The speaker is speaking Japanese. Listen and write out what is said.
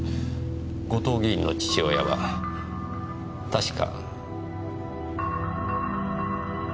後藤議員の父親は確か。